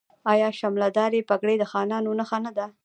آیا شملې دارې پګړۍ د خانانو نښه نه ده؟